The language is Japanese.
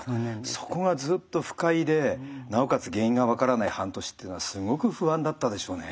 そこがずっと不快でなおかつ原因が分からない半年っていうのはすごく不安だったでしょうね。